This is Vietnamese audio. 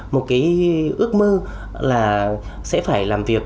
một cái ước mơ là sẽ phải làm việc